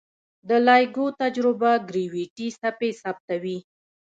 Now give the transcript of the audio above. د لایګو تجربه ګرویتي څپې ثبتوي.